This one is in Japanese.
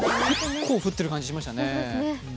結構降ってる感じがしましたね。